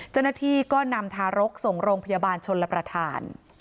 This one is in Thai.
เจ้าหน้าที่ก็นำทารกส่งโรงพยาบาลชนรับประทาน